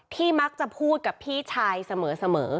มักจะพูดกับพี่ชายเสมอ